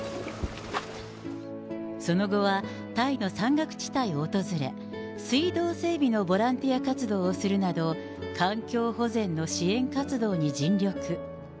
その後は、タイの山岳地帯を訪れ、水道整備のボランティア活動をするなど、環境保全の支援活動に尽力。